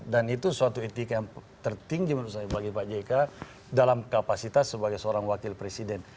dan itu suatu etika yang tertinggi menurut saya bagi pak jk dalam kapasitas sebagai seorang wakil presiden